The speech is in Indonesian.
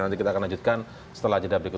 nanti kita akan lanjutkan setelah jadab diku